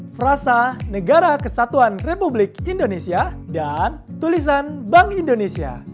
frasa negara kesatuan republik indonesia dan tulisan bank indonesia